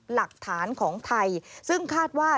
หลักฐานของไทยซึ่งคาดว่า